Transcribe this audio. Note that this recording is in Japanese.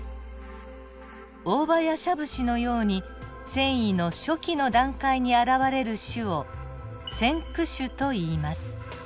オオバヤシャブシのように遷移の初期の段階に現れる種を先駆種といいます。